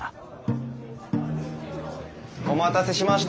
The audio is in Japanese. お待たせしました